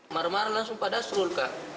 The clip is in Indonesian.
mar mar langsung pak dasrul kak